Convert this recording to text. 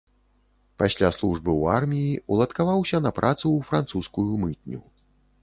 Пасля службы ў арміі уладкаваўся на працу ў французскую мытню.